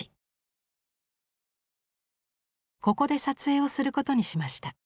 ここで撮影をすることにしました。